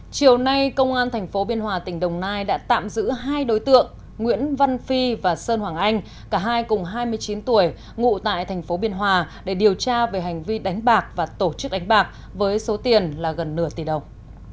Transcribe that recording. chiều nay công an tp biên hòa tỉnh đồng nai đã tạm giữ hai đối tượng nguyễn văn phi và sơn hoàng anh cả hai cùng hai mươi chín tuổi ngụ tại thành phố biên hòa để điều tra về hành vi đánh bạc và tổ chức đánh bạc với số tiền là gần nửa tỷ đồng